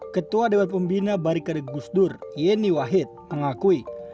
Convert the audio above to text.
ketua dewan pembina barikade gusdur yeni wahid mengakui